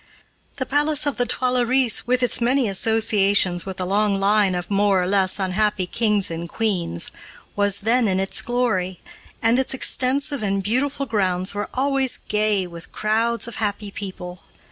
The Palace of the Tuileries, with its many associations with a long line of more or less unhappy kings and queens, was then in its glory, and its extensive and beautiful grounds were always gay with crowds of happy people.